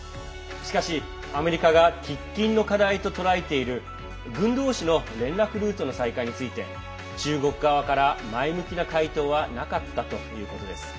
しかし、アメリカが喫緊の課題と捉えている軍同士の連絡ルートの再開について中国側から前向きな回答はなかったということです。